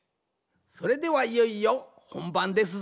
それではいよいよほんばんですぞ。